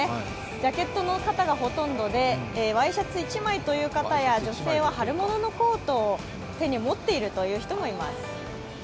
ジャケットの方がほとんどで、ワイシャツ１枚の方や女性は春物のコートを手に持っているという人もいます。